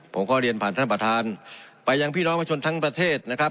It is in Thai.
ผมก็เรียนผ่านท่านประธานไปยังพี่น้องประชาชนทั้งประเทศนะครับ